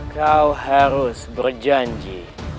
kau harus berjanji